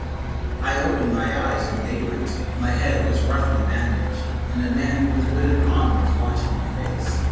I opened my eyes in daylight. My head was roughly bandaged, and the man with the withered hand was watching my face.